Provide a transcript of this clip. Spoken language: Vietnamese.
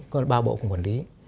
còn ba bộ cũng quản lý